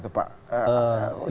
secara manusia indonesia gitu